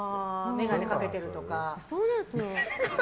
眼鏡かけてるとか。